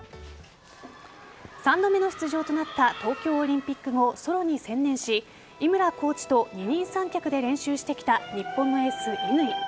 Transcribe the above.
３度目の出場となった東京オリンピック後ソロに専念し井村コーチと二人三脚で練習してきた日本のエース・乾。